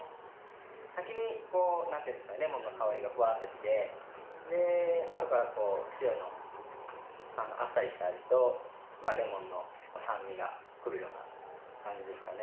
先にこうなんていうんですかレモンの香りがフワーッときてであとからこう塩のあっさりした味とレモンの酸味がくるような感じですかね。